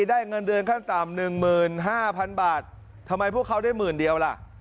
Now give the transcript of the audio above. ได้เงินเดือนขั้นต่ำ๑๕๐๐๐บาททำไมพวกเขาได้หมื่นเดียวล่ะ